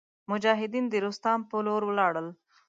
مجاهدین د روستام په لور ولاړل.